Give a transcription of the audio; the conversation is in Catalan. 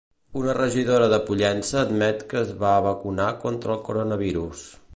Una regidora de Pollença admet que es va vacunar contra el coronavirus.